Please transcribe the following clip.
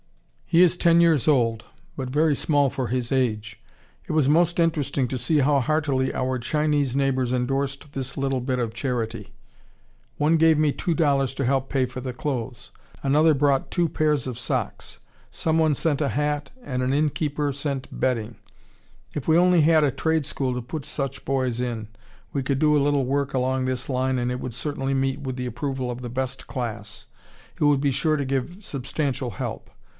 He is ten years old, but very small for his age. It was most interesting to see how heartily our Chinese neighbors endorsed this little bit of charity. One gave me $2.00 to help pay for the clothes. Another brought two pairs of socks. Some one sent a hat, and an innkeeper sent bedding. If we only had a trade school to put such boys in, we could do a little work along this line and it would certainly meet with the approval of the best class, who would be sure to give substantial help.